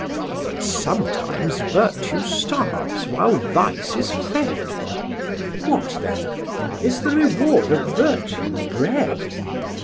"But sometimes virtue starves, while vice is fed." What then? Is the reward of virtue bread?